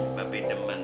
mbak be demen